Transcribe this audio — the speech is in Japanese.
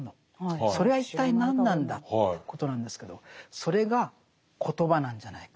それは一体何なんだということなんですけどそれが「コトバ」なんじゃないか。